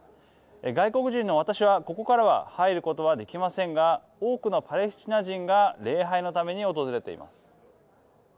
外国人の私は、ここからは入ることはできませんが多くのパレスチナ人が礼拝のために訪れています。